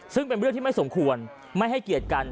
ซึ่งเป็นเรื่องที่ไม่สมควรไม่ให้เกียรติกัน